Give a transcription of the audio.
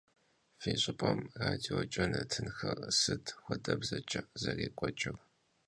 Fi ş'ıp'em radioç'e netınxer sıt xuedebzeç'e zerêk'ueç'ır?